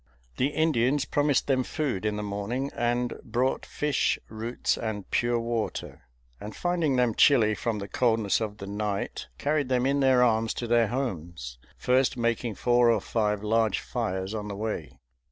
The Indians promised them food in the morning, and brought fish, roots, and pure water; and finding them chilly from the coldness of the night, carried them in their arms to their homes, first making four or five large fires on the way.